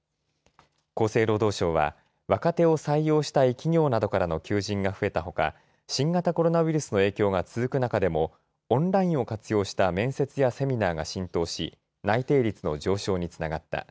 厚生労働省は若手を採用したい企業などからの求人が増えたほか新型コロナウイルスの影響が続く中でもオンラインを活用した面接やセミナーが浸透し内定率の上昇につながった。